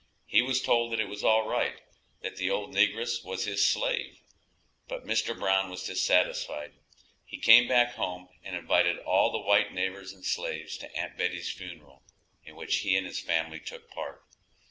He was told that it was all right; that the old negress was his slave. But Mr. Brown was dissatisfied; he came back home and invited all the white neighbors and slaves to Aunt Betty's funeral, in which he and his family took part.